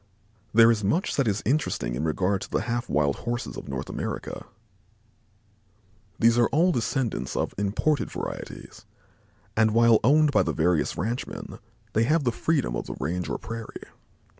There is much that is interesting in regard to the half wild Horses of North America. These are all descendants of imported varieties, and while owned by the various ranchmen, they have the freedom of the range or prairie.